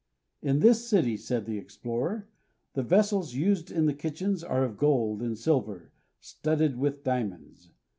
" In this city," said the explorer, " the vessels used in the kitchens are of gold and silver, studded with diamonds.